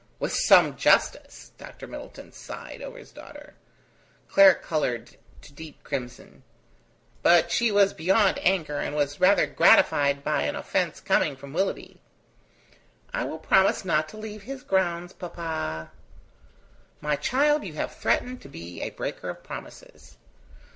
"With some justice!" Dr. Middleton sighed over his daughter. Clara coloured to deep crimson: but she was beyond anger, and was rather gratified by an offence coming from Willoughby. "I will promise not to leave his grounds, papa." "My child, you have threatened to be a breaker of promises."